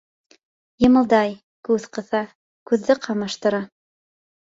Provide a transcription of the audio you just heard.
Йымылдай, күҙ ҡыҫа, күҙҙе ҡамаштыра...